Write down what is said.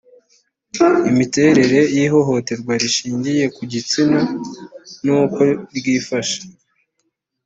imiterere y ihohoterwa rishingiye ku gitsina n uko ryifashe